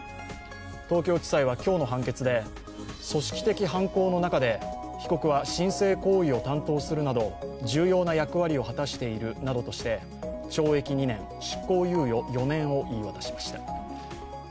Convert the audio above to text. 東京地裁は今日の判決で組織的犯行の中で被告は申請行為を担当するなど重要な役割を果たしているなどとして懲役２年、執行猶予４年を言い渡しました。